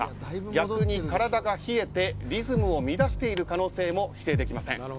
夜分に体が冷えてリズムを乱している可能性も否定できません。